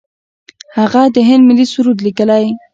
هغه د هند ملي سرود لیکلی.